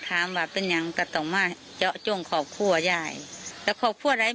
แต่ถึงยังเสียโทษให้พูดถึงเป็นฟรี